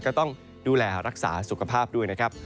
ก็ต้องดูแลรักษาสุขภาพด้วยนะครับ